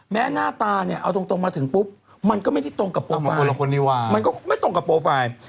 หน้าตาเนี่ยเอาตรงมาถึงปุ๊บมันก็ไม่ได้ตรงกับโปรไฟล์มันก็ไม่ตรงกับโปรไฟล์